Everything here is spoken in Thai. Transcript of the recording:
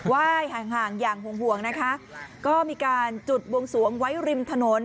ห่างห่างอย่างห่วงนะคะก็มีการจุดบวงสวงไว้ริมถนน